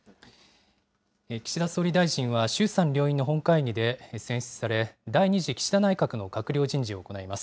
岸田総理大臣は衆参両院の本会議で選出され、第２次岸田内閣の閣僚人事を行います。